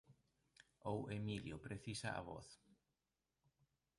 Ou Emilio –precisa a voz–.